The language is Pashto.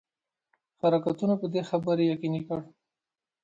حرکتونو په دې خبري یقیني کړ.